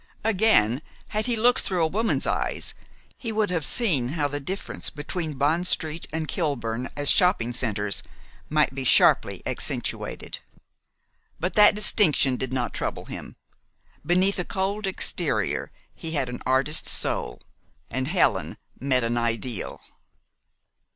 Again, had he looked through a woman's eyes, he would have seen how the difference between Bond st. and Kilburn as shopping centers might be sharply accentuated. But that distinction did not trouble him. Beneath a cold exterior he had an artist's soul, and "Helen" met an ideal.